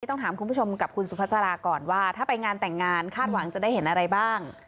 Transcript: ต้องถามคุณผู้ชมกับคุณสุภาษาราก่อนว่าถ้าไปงานแต่งงานคาดหวังจะได้เห็นอะไรบ้าง